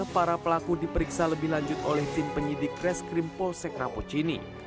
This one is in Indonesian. para pelaku diperiksa lebih lanjut oleh tim penyidik reskrim polsek rapocini